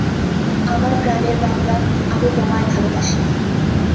আমার প্রানের বাংলা, আমি তোমায় ভালোবাসি।